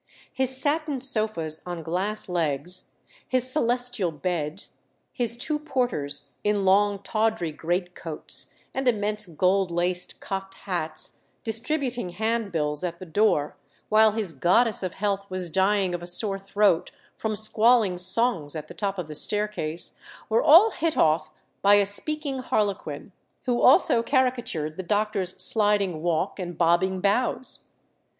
His satin sofas on glass legs, his celestial bed, his two porters in long tawdry greatcoats and immense gold laced cocked hats, distributing handbills at the door, while his goddess of health was dying of a sore throat from squalling songs at the top of the staircase, were all hit off by a speaking harlequin, who also caricatured the doctor's sliding walk and bobbing bows.